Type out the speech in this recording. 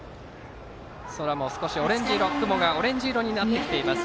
雲も少しオレンジ色になってきています。